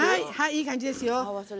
いい感じですよ。